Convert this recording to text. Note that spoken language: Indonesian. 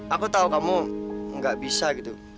aku tahu kamu nggak bisa gitu